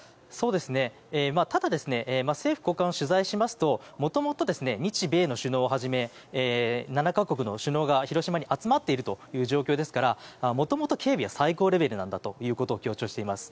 ただ、政府高官を取材しますともともと日米の首脳はじめ７か国の首脳が広島に集まっているという状況ですからもともと警備は最高レベルなんだということを強調しています。